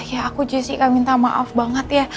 ya aku jess juga minta maaf banget ya